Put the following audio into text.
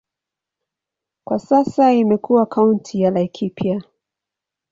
Kwa sasa imekuwa kaunti ya Laikipia.